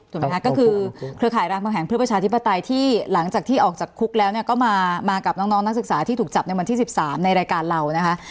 ก็คือเครือข่ายรามคำแหงเพื่อประชาธิปไตยที่หลังจากที่ออกจากคุกแล้วเนี่ยก็มากับน้องนักศึกษาที่ถูกจับในวันที่๑๓ในรายการเรานะคะ